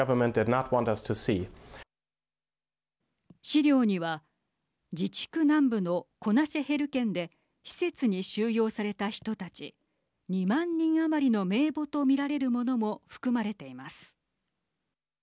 資料には自治区南部のコナシェヘル県で施設に収容された人たち２万人余りの名簿とみられるものも含まれています。